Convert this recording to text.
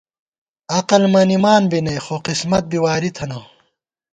عقل مَنِمان می نئ ، خو قسمت بی واری تھنہ